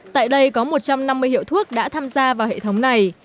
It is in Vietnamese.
tại đây có một trăm năm mươi hiệu thuốc đã tham gia vào hệ thống này